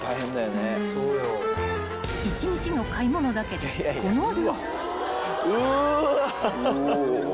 ［１日の買い物だけでこの量］